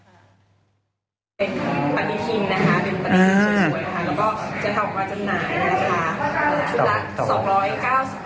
เป็นปฏิทินนะฮะเป็นปฏิทินสวยแล้วก็ชื่อพักวาจทั้งหมด